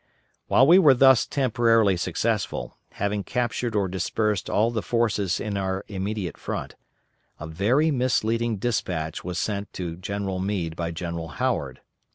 While we were thus temporarily successful, having captured or dispersed all the forces in our immediate front, a very misleading despatch was sent to General Meade by General Howard.